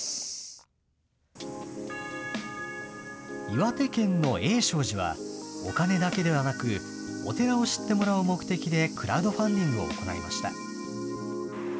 岩手県の永昌寺は、お金だけではなく、お寺を知ってもらう目的でクラウドファンディングを行いました。